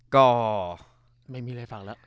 ก็ไม่มีอะไรฟังแล้ว